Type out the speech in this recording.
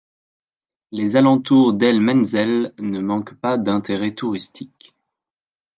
Les alentours d'El Menzel ne manquent pas d'intérêt touristique.